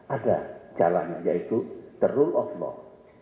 ada jalan yaitu the rule of law